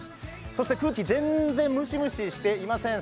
そして、空気、全然蒸し蒸ししていません。